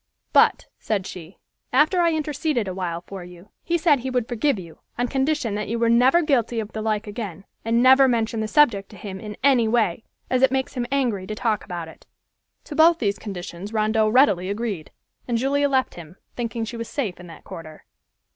"But," said she, "after I interceded awhile for you, he said he would forgive you on condition that you were never guilty of the like again, and never mention the subject to him in any way, as it makes him angry to talk about it." To both these conditions Rondeau readily agreed, and Julia left him, thinking she was safe in that quarter.